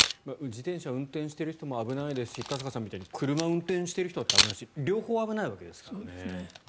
自転車を運転している人も危ないですし田坂さんみたいに車を運転している人だって危ないし両方危ないわけですよね。